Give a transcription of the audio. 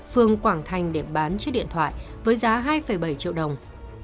phương quảng thành để bán chiếc điện thoại với giá hai bảy triệu đồng